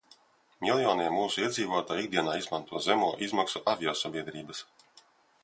Miljoniem mūsu iedzīvotāju ikdienā izmanto zemo izmaksu aviosabiedrības.